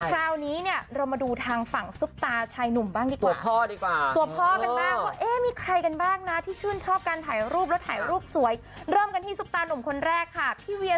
คราวนี้เนี่ยเรามาดูทางฝั่งซุปตาชายหนุ่มบ้างดีกว่า